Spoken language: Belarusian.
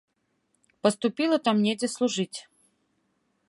Паступіла там недзе служыць.